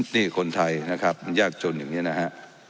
นี่คนไทยนะครับมันยากจนอย่างนี้นะฮะ